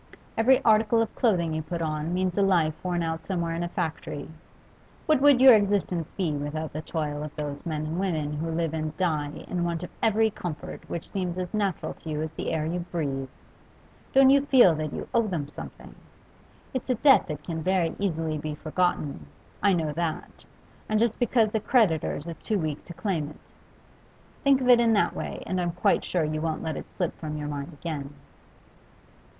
Every article of clothing you put on means a life worn out somewhere in a factory. What would your existence be without the toil of those men and women who live and die in want of every comfort which seems as natural to you as the air you breathe? Don't you feel that you owe them something? It's a debt that can very easily be forgotten, I know that, and just because the creditors are too weak to claim it. Think of it in that way, and I'm quite sure you won't let it slip from your mind again.